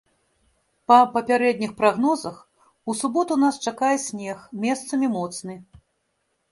Па папярэдніх прагнозах у суботу нас чакае снег, месцамі моцны.